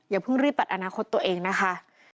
อย่าเพิ่งรีบตัดอนาคตตัวเองนะคะ